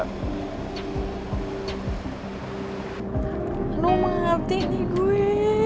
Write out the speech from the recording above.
aduh mengerti nih gue